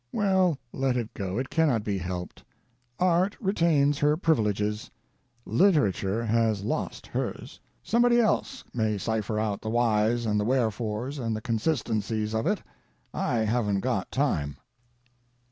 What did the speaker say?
Well, let it go, it cannot be helped; Art retains her privileges, Literature has lost hers. Somebody else may cipher out the whys and the wherefores and the consistencies of it I haven't got time."